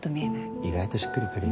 意外としっくり来るよ。